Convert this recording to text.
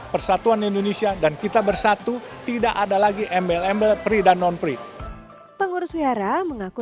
persatuan indonesia dan kita bersatu tidak ada lagi embel embel pri dan non pri pengurus wihara mengaku